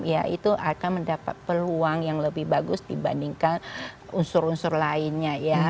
ya itu akan mendapat peluang yang lebih bagus dibandingkan unsur unsur lainnya ya